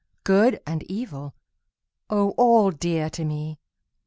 Good and evil! O all dear to me!